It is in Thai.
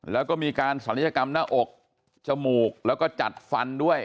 แล้วก็มีการศัลยกรรมหน้าอกจมูกแล้วก็จัดฟันด้วย